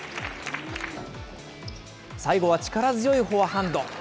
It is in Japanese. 最後は力強いフォアハンド。